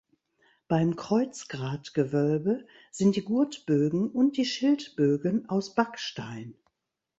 Beim Kreuzgratgewölbe sind die Gurtbögen und die Schildbögen aus Backstein.